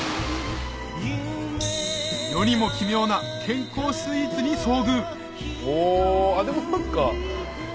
世にも奇妙な健康スイーツに遭遇おあっでも何か。